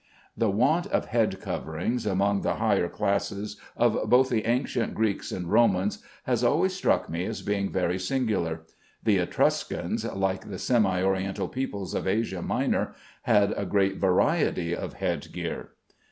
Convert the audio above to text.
The want of head coverings amongst the higher classes of both the ancient Greeks and Romans has always struck me as being very singular. The Etruscans, like the semi oriental peoples of Asia Minor, had a great variety of head gear.